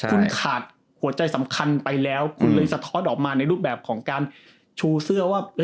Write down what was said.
คุณขาดหัวใจสำคัญไปแล้วคุณเลยสะท้อนออกมาในรูปแบบของการชูเสื้อว่า